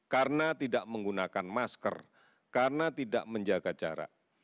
karena tidak menggunakan masker karena tidak menjaga jarak